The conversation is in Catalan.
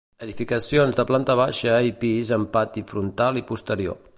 Edificacions de planta baixa i pis amb pati frontal i posterior.